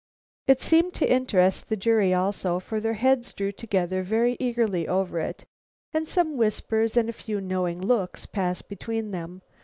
It seemed to interest the jury also, for their heads drew together very eagerly over it, and some whispers and a few knowing looks passed between them.